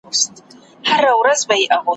عشقه څه په احترام دې ګرزؤمه